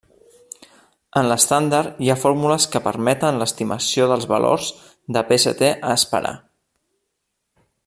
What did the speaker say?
En l'estàndard hi ha fórmules que permeten l'estimació dels valors de Pst a esperar.